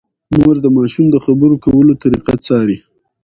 مور د ماشوم د خبرو کولو طریقه څاري۔